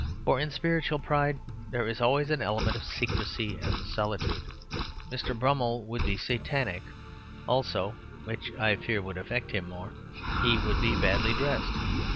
For in spiritual pride there is always an element of secrecy and solitude. Mr. Brummell would be satanic; also (which I fear would affect him more) he would be badly dressed.